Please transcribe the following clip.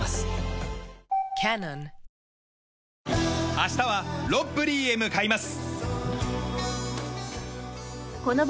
明日はロッブリーへ向かいます。